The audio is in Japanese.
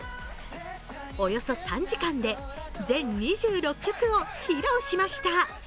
およそ３時間で全２６曲を披露しました。